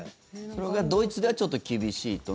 それぐらいドイツではちょっと厳しいと。